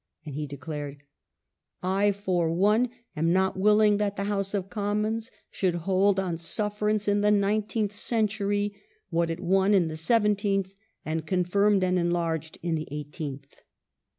And he declared :" I for one am not willing that the House of Commons should hold on sufferance in the nineteenth century what it won in the seventeenth, and con firmed and enlarged in the eighteenth